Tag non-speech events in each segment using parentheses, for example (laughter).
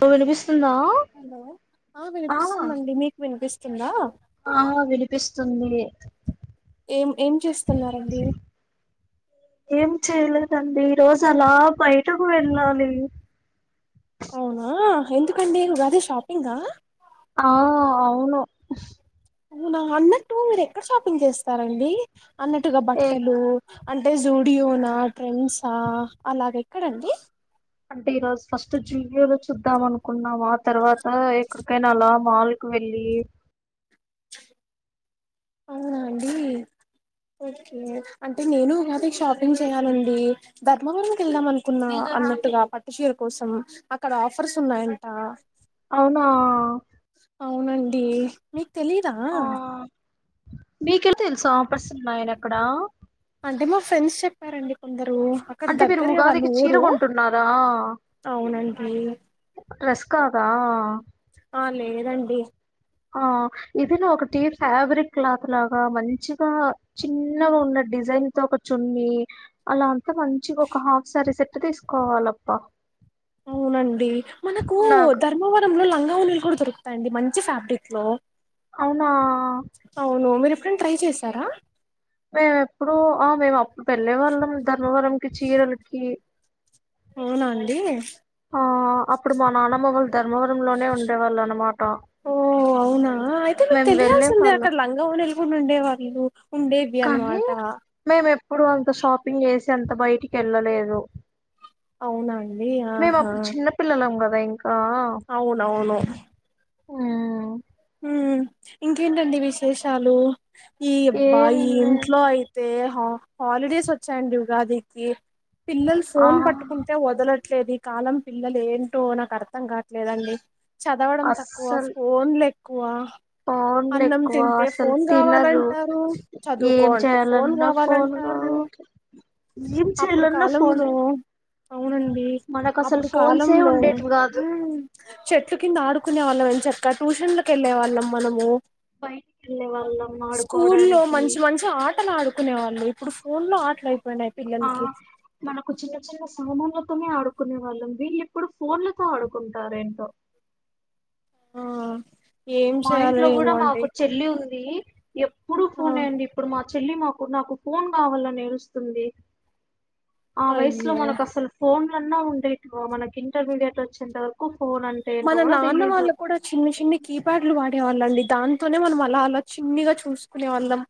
ఇప్పుడు వినిపిస్తుందా హలో ఆ వినిపిస్తుందండి మీకు వినిపిస్తు స్తుందా ఆ వినిపిస్తుంది ఏం ఏం చేస్తున్నారండి ఏం చేయలేదండి ఈ రోజు అలా బయటకు వెళ్ళాలి ఆ ఎందుకండి ఉగాది షాపింగ్ ఆ ఆ అవును నా అన్నట్టు మీరు ఎక్కడ షాపింగ్ చేస్తారండి అన్నట్టుగా ఏ బట్టలు అంటే జూడియోనా ట్రెండ్సా అలాగ ఎక్కడండి అంటే ఈరోజు ఫస్ట్ జోడియాలో చూస్ చూద్దాం అనుకున్నాము ఆ తర్వాత ఆ ఎక్కడికైనా అలా మాల్ కు వెళ్లి అవునా అండి ఓకే అంటే నేను ఉగాది షాపింగ్ చేయాలండి ధర్మవరం కి వెళ్దాం అనుకున్నా అన్నట్టుగా పట్టుచీర కోసం అక్కడ ఆఫర్స్ ఉన్నాయంట అవునా అవునండి మీకు తెలీదా ఆ మీకెలా తెలుసా ఆఫర్స్ ఉన్నాయని ఎక్కడ అంటే మా ఫ్రెండ్స్ చెప్పారండి కొందరు అక్కడ అంటే మీరు దగ్గరగా వాళ్ళు ఉగాదికి చీరు ఊరు కొంటున్నారా అవునండి డ్రెస్ కాదా ఆ లేదండి ఆ ఇదినా ఒకటి ఫ్యాబ్రిక్ క్లాత్ లాగా మంచిగా చిన్నగా ఉన్న డిజైన్ తో ఒక చున్నీ అలా అ మంచిగా ఒక హాఫ్ సారీ సెట్ తీసుకోవాలప్ప అవునండి మనకు ధర్మవరం లో లంగ నీళ్లు కూడా దొరుకుతాయిడి మంచి ఫ్యాబ్రిక్ లో అవునా అవును మరి కన్ ట్రై చేసారా మేము ఎప్పుడు ఆ మేము అప్పుడు పెళ్ళే వాళ్ళం ధర్మవరంకి చీరలకి అవునాండి ఆహ్, అప్పుడు మా నానమ్మ వాళ్ళు ధర్మవరంలోనే ఉండేవాళ్ళనమాట. ఓ అవునా అయితే మీకు మేము తెలియాల్సిందే వెళ్ళేవాళ్ళం. అక్కడ లంగమ నెలకొని ఉండే వాళ్ళు ఉండే ఇ అనమాట మ ఎప్పుడు అంత షాపింగ్ చేసి అంత బయటికి వెళ్ళలేదు అవునండి ఆహా బ్యాంక్ అవునవును హ్మ్. ఊ ఇంకేంటండి విశేషాలు ఈ ఏం అబ్బాయి లే ఇంట్లో అయి తే హాలిడేస్ వచ్చాయండి ఉగాదికి పిల్లలు ఆ ఫోన్ పట్టుకుంటే వదల ట్లేదు ఈ కాలం పిల్లలు ఏంటో నాకు అర్థం కావట్లేదండి చదవడం తక్కువ అస్సలు ఫోన్లేక్ ఆ ఫోన్లు అన్నం ఎక్కువ తింటే అసలు ఫోన్ తినరు కావాలంటారు చదువుకో ఏం అంటే ఫోన్ చేయాలన్నా ఫోన్ కావాలంటారు కావాలి ఏం అప్పుడు చేయాలన్నా ఫోనే కాలంలో అవునండి మనకు అసలు అప్పుడు ఫోన్సే కాలంలో ఉండేటివి కాదు హు చెట్లు కింద ఆడుకునే వాళ్ళం ఎంచక్కగా ట్యూషన్ కెళ్ళే వాళ్ళం మనము బయటికి వెళ్ళే వాళ్ళం స్కూల్లో ఆడుకోవడానికి మంచి మంచి ఆటలు ఆడుకు కునే వాళ్ళు ఇప్పుడు ఫోన్ లో ఆటలయి ఆ మనకు చిన్న చిన్న సమన్ తోనే ఆడుకునే వాళ్ళం వీళ్ళ ఇప్పుడు ఫోన్లతో ఆడుకుంటారు ఏంటో ఆ ఏం చేయాలో ఏమో అండి ది ఎప్పుడు ఆ ఫోనే అండి ఇప్పుడు మా చెల్లి మాకు నాకు ఫోన్ కావాలని ఏడుస్తుంది ఆ వయసులో అయ్యో మనకు అసలు ఫోన్ అన్నా ఉండేటివ మనకి ఇంటర్మీడియట్ వచ్చేంత వరకు ఫోన్ అంటే ఏంటో మన కూడా నాన్న తెలీదు వాళ్ళు కూడా చిన్న చిన్ని కీ ప్యాడ్లు వాడేవాళ్ళ అండి దాంతోనే మనం అలా అలా చిన్నిగా చూసుకునే వాళ్ళం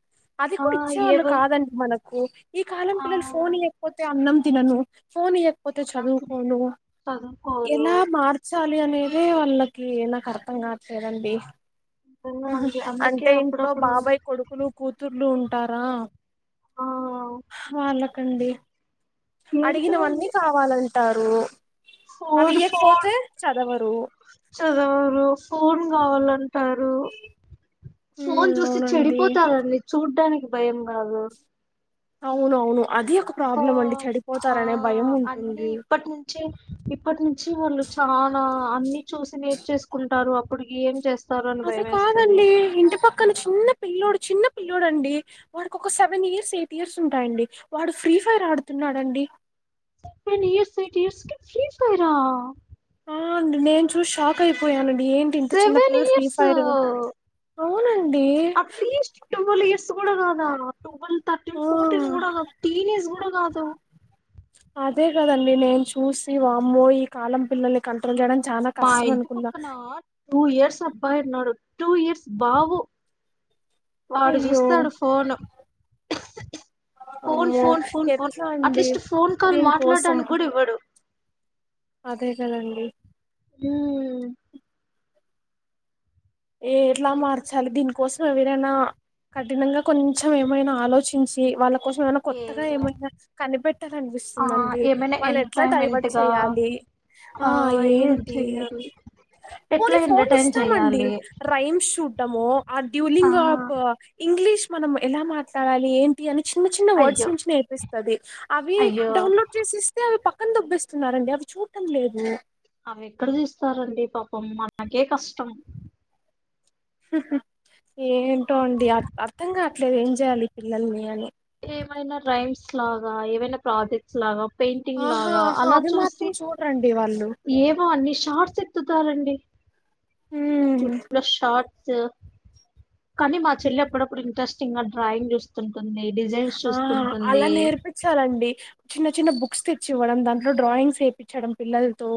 అది ఆ కూడా ఇచ్చేవాళ్ళు ఏవో కాదండి మనకు ఈ కాలం ఆ పిల్లలు ఫోన్ లేయకపోతే అన్నం తినను ఫోని ఇయక్ పోతే నాకు చదువుకోను చదువుకోరు ఎలా మార్చ అనేది వాళ్ళకి నాకు అర్థం కాట్లేదండి నిజంగా ఆహా అండి అందుకే అంటే ఇంట్లో అప్పుడప్పుడు బాబాయ్ కొడుకులు కూతుర్లు ఉం టారా ఆ వాళ్ళ కండి ఏంటో అడిగినవన్నీ అండి కావాలం టారూ ఫోన్ ఫోన్ చదవరు ఫోన్ కావాలంటారు ఈ ఫోన్ చూసి చెడిపోతారండి చూడ్డాని భయం కాదు అవునువును అది ఒక సో ప్రాబ్లం అండి ఆ చెడిపోతారనే భయం అన్ని ఉంటుంది ఇప్పటి నుంచే ఇప్పటి నుంచి వాళ్ళు చాలా అన్ని చూసి నేర్చేసుకుంటారు అప్పటికి ఏం చేస్త అదే కాదండి ఇంటి పక్కన చిన్న పిల్లుడు చిన్న పిల్లడుండి వాడికి ఒక సెవెన్ ఇయర్స్ ఎయిట్ ఇయర్స్ ఉంటాయండి వాడు ఫ్రీ ఫైర్ ఆడుతున్నాడండి న్ ఇయర్స్ ఎయిట్ ఇయర్స్ క ఫ్రీ ఫైరా ఆ నేను చూసి షాక్ అయిపోయాను ఏంటి ఇంత చిన్న సెవెన్ పిల్లలు ఫ్రీ ఇయర్స్ ఫైర్ అవునండి అట్లీస్ట్ ట్వెల్వ్ ఇయర్స్ కూడా కాదా ట్వల్్ ఆ థర్టీన్ ఫోర్టీన్ కూడా కాదు టీనేజ్ కూడా కాదు అదే కదండి నేను చూసి వామ్ో ఈ కాలం పిల్లల్ని కంట్రోల్ చేయడానికి మా ఇంటి పక్కన టూ ఇయర్స్ అబ్బాయి నోడు టూ ఇయర్స్ బావు వాడు అయ్యో చూస్తాడు ఫోన్ ఫోన్ అమ్మో ఫోన్ ఫోన్ ఫోన్ ఎట్లా అండి అట్లీస్ట్ ఫోన్ కాల్ దీనికోసం మాట్లాడడానికి కూడా ఇవ్వడు తే కదండి హ్మ్మ్ ఏ ఎట్లా మార్చాలి దీనికోసం ఎవరైనా కఠినంగా కొంచెం ఏమైనా ఆలోచించి వాళ్ళకు వల్ల కోసం ఏమన్న ఏ కొత్తగా ఏమైనా ఆ కనిపెట్టాలనిపిస్తుందండి ఏమైనా వాళ్ళు ఎట్లా ఎంటర్టైన్మెంట్ డైవర్ట్ గా చేయ్యాలి ఆ ఏం ఏంటి చెయ్యాలి ఎట్లా పోనీ ఫోన్ ఎంటర్టైన్ ఇస్తామండి చెయ్యాలి రైమ్ ూడ్డమో ఆ ఆ డ్యూలింగ్ఫ ఇంగ్లీష్ మనం ఎలా మాట్లాడాలి ఏంటి అని చిన్న చిన్న వర్డ్స్ అయ్యో నుంచి నేర్పిస్తుది అవి అయ్యో డౌన్లోడ్ చేసిేస్తే అవి ప దోబేస్తున్నారు అండి అవి చూడటం లేదు అవి ఎక్కడ తీస్తారండి పాపం మనకే కష్టం హహ ఏంటో ఆ అండి అ అర్థంగా అస్సలు ఎం చేయాలి పిల్లల్ని అని ఏమైనా రైమ్స్ లాగా ఏమైనా ప్రాజెక్ట్స్ లాగా పెయింటింగ్ ఆహా లాగా ఆహా అలా అవి మాత్రం చూసి చూడరండి వాళ్ళు ఏమో అన్ని షార్ట్స్ ఎతు సారంండి ఉమ్. షట్ స కానీ మా చెల్ె అప్పుడప్పుడు ఇంట్రెస్ ఇంకా డ్రాయింగ్ చూస్తుంటుంది డిజైన్స్ ఆ అలా చూస్తుంటుంది నేర్పించాలండి చిన్న చిన్న బుక్స్ తెచ్చి ఇవ్వడం దాంట్లో డ్రాయింగ్స్ వేయించడం పిల్లలతో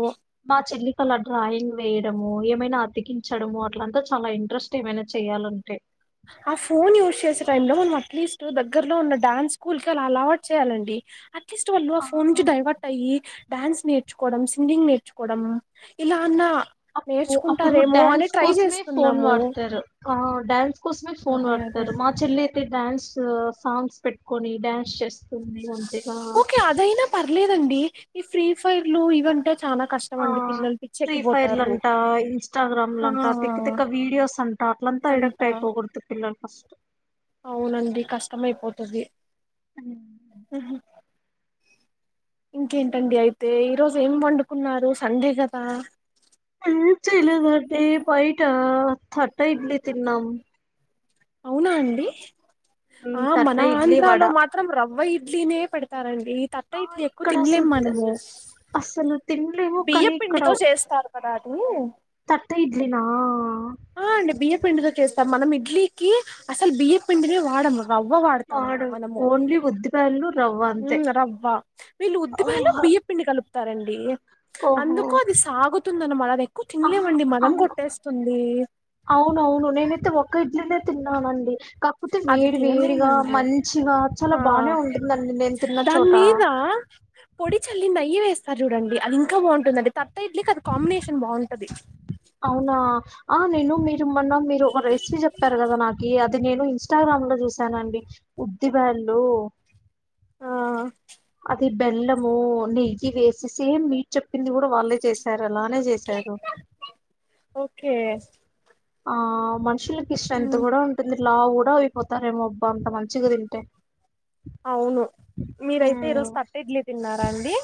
మా చెల్లికల డ్రాయింగ్ వేయడము ఏమైనా అతికిించడము అట్లంతా చాలా ఇంట్రెస్ట్ ఏమైనా చేయాలంటే ఆ ఫోన్ యూజ్ చేసే టై లో మనం అట్లీస్ట్ దగ్గరలో ఉన్న డాన్స్ స్కూల్ కి అలా అలవాటు చేయాలండి అట్లీస్ట్ వాళ్ళు ఆ ఫోన్ కి డైవర్ట్ అయ్యి డ్యాన్స్ నేర్చుకోవడం సింగింగ్ నేర్చుకోవడం ఇలా అన్నా అప్పు అప్పుడు నేర్చుకుంటారేమో అని డ్యాన్స్ ట్రై కోసమే ఫోన్ చేస్తున్నాము వాడతారు ఆ డ్యాన్ కోసమే ఫోన్ అదే అదే వాడతారు మా చెల్లి (unintelligible) డ్యాన్స్ సాంగ్స్ పెట్టుకొని డ్యాన్స్ చేస్ (unintelligible) లేదండి ఈ ఫ్రీ ఫైర్ లు ఇవంట ఆ ఫ్రీ ఫైర్లు అంట ఇన్స్టాగ్రామ్ ఆ లంట తిక్కతిక్క వీడియోస్ అంట అట్లంతా అంట అడక్ట్ అయిపోకూడదు పిల్లలు ఫస్ట్ అవునండి కష్టమైపోతది హ్మ్. ఆ ఇంకేంటండి అయితే ఈ రోజు ఏం వండుకున్నారు సండే కదా ఇ బైట తట్ట ఇడ్లి తిన్నాం అవునా అండి హ్మ్. ఆ తట్ట మన ఇడ్లీ, ఆంధ్రా వడ. లో మాత్రం రవ్వయి డ్లీనే పెడతారం ఈ తట్టా ఆ ఇడ్లీ ఎక్కువ ఇక్కడ తినలేం మనము తిన్లివు బియ్య కనీక్కడ పిండితో చేస్తారు కదా అది తట్ట ఇద్లీ నా ఆ అండి బియ్య పిండితో చేస్తాం, మనం ఇడ్లీకి అసలు బియ్యపు పిండినే వాడము రవ్వ వాడతాము వాడు మనము, ఓన్లీ ఉద్దిపయలు రవ్వ అంతే మ్ రవ్వ వీళ్ళు ఉద్ది బ్యాళ్ళు ఓహో బియ్యపు పిండి కలుపు స్తారండి ఓహో అందుకో అది సాగుతుందన మాదే అది ఎక్కువ ఆ తినలేమండి మోకం అన్- కొట్టేస్తుంది. అవునవును నేనుతే ఒక్క నలే లే తిన్నామండి అది తినలేమండి చాలా ఆ బానే ఉంటుందండి నేను తిన్న దాని చోట మీద పొడి చల్లి నెయ్యి వేస్ సర చూడండి అది ఇంకా బాగుంటుందిండి, తట్ట ఇడ్లికి అది కాంబినేషన్ బాగుంటది అవునా, ఆ నేను మీరు మొన్న మీరు ఒక రెసిపీ చెప్పారు కదా నాకి, అది నేను ఇన్స్టాగ్రామ్ లో చూశానండి ఉద్దిబ్యాళ్ళు ఆ అది బెల్లము నెయ్యి వేసి సేమ్ మీర్ చెప్పింది కూడా వాళ్ళే చేశారు అలానే చేశారు ఓకే ఆ మనుషులు ఇ స్ట్రెంత్ ఉమ్, కూడా ఉంటుంది లావు కూడా అయిపోతారేమోబ్బ అంత మ అవును మీరైతే ఉమ్, ఈరోజు తట్ట ఇడ్లీ తిన్నారా అండి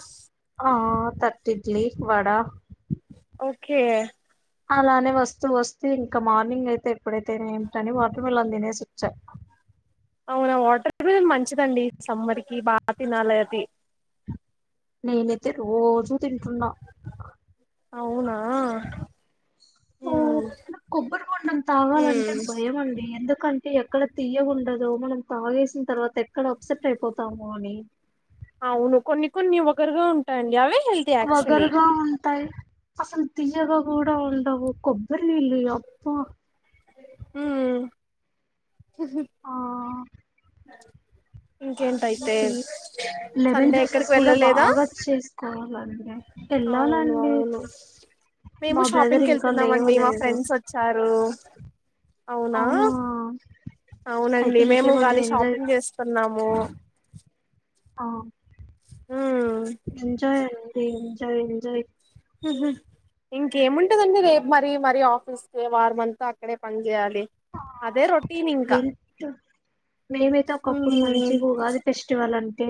తట్ ఇడ్లీ వడా కే అలానే వస్తూ వస్తూ ఇంకా మార్నింగ్ అయితే ఎప్పుడైతే ఏం ఏంటని వాటర్ మిలన్ తినేసి వచ్చా అవునా వాటర్ (inaudible) మంచిదండి సమ్మర్ కి బా తినాలది నేనైతే రోజు తింటున్నా అవునా ఊ ఉమ్ నాక్ కొబ్బరి బొండం తాగాలంటే ఉమ్ భయం అండి ఎందు కంటే ఎక్కడ తీయ్గుంటదో మనం తాగేసిన తర్వాత ఎక్కడ అప్సెట్ అయిపోతాము అని అవును కొన్ని కొన్ని ఒకరుగా ఉంటాయండి అవి వగరుగా ఉం తై అసలు తీయగా కూడా ఉండవు కొబ్బరి నీళ్ళు యప్ప మ్మ్ ఆ ఇంకేంటయితే (unintelligible) లెమన్ సండే జ్యూసెస్ ఎక్కడికి కూడా వెళ్ళలేదా బాగా చ్చేస్త బాగుందా అవును తిన్నానండి అవును మేము షాపింగ్కి వెళ్తున్నామండి మా ఫ్రెండ్స్ వచ్చారు అవునా అయితే అవునండి మేము ఇంకేమండి కాది ఎంజాయ్ షాపింగ్ చేస్తున్నాము ఆ ఉమ్ ఎంజాయ్ (unintelligible) ఎంజయంజాయ్ ఇంకేముంటదండి రేపు మరి మరి ఆఫీస్కే వారంమంత అక్కడే పని చేయాలి అదే రొటీన్ ఇంకా (unintelligible) మేమైతే ఒకప్పుడు మంచిగ ఉగాది ఫెస్టివల్ అంటే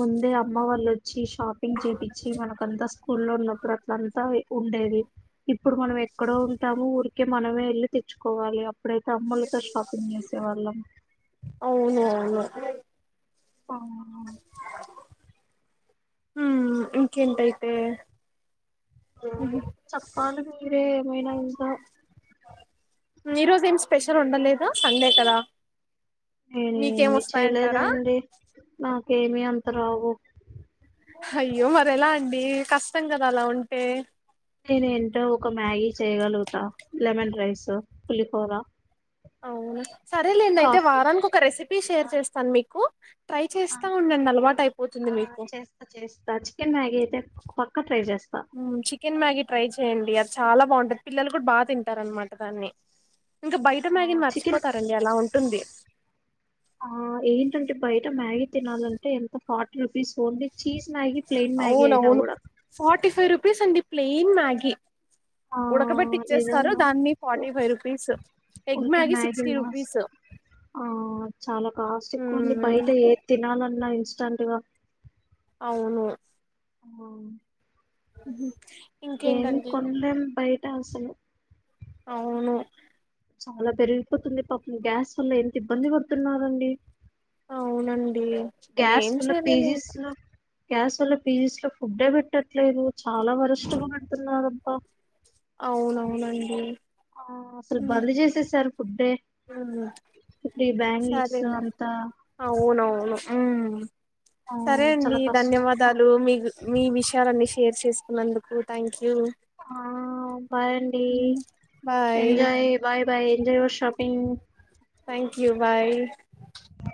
ముందే అమ్మ వాల్లు చ్చి షాపింగ్ చేపిచ్చి మనకంత ఊళ్లో ఉన్నప్పుడు అట్లంతా ఉండేది ఇప్పుడు మనం ఎక్కడో ఉంటాము ఊరికే మనమే వెళ్ళి తెచ్చుకోవాలి అప్పుడైతే అమ్మలతో షాపింగ్ చేసే వాళ్ళం అవును (unintelligible) అవును మ్మ్ ఇంకెంటయితే చప్పాలి మీరే ఏమైనా ఇంకా పెషల్ వండలేదా సండే కదా నేను మీకేం ఏమి వస్తాయంటారా చేయలేదండి మాకు ఏమీ అంత రావు అయ్యో మరి ఎలా అండి కష్టం కదా అలా ఉంటే నేను ఏంటో ఒక మ్యాగీ చేయగలుగుతా లెమన్ రైస్ పులిహోరా అవును సరేలేండి అయితే వారానికి ఒక రెసిపీ పి షేర్ చేస్తాను మీకు ట్రై చేస్తా ఉండండి అలవాటు అయిపోతుంది ఆ మీకు చేస్తా చేస్తా చికెన్ మ్యాగి అయితే పక్క ట్రై చేస్తా ఉమ్ చికెన్ మ్యాగీ ట్రై చెయ్యడి అది చాలా బాగుంటుంది పిల్లలు కూడా బాగా తింటారు అన్నమాట దాన్ని ఇంకా బయట ఆ మ్యాగిని చికెన్ మర్చిపోతారండి అలా ఉంటుంది ఆ ఏంటంటే బయట మ్యాగీ తినాలంటే ఎంత forty rupees only cheese Maggi plain Maggi అయినా అవునవును కూడా ఫార్టీ ఫైవ్ రూపీస్ అండి ప్లేన్ మ్యాగీ ఆ ఉడకబెట్టి ఇచ్చేస్తారు నిజంగా దాన్ని ఫార్టీ ఫైవ్ రూపీస్ ఎగ్ ఊరికే మ్యాగీ సిక్స్టీ మాస్ రూపీస్ ఆ చాలా కాస్ట్ ఎక్కువండి ఉమ్ బయట ఏ తినాలన్నా ఇ చంటివా అవును ఆ ఉహు ఏమి కొనలేం బయ అసలు అవును చాలా పెరిగిపోతుంది పాపం గ్యాస్ వల్ల ఎంత ఇబ్బంది పడుతున్నరండి అవునన్ ఏం ఏం చెయ్యలేం పీజీస్ ఇంకా లో గ్యాస్ వల్ల పీజీస్ లో ఫుడ్డే పెట్టట్లేదు చాలా వరిష్టగా పెడుతున్నబ్బా అవునవునండి ఆ అసలు బంద్ చేసే సారు ఉ బ్యాంగిల్స్ సరే అంతా అవునువును ఆ సరే అండి చాలా కష్టం ధన్యవాదాలు మీ మీ విషయాలన్నీ షేర్ చేస్ నందుకు థ్యాంక్యూ ఆ బాయండి bye enjoy bye bye enjoy your shopping thank you bye ఆ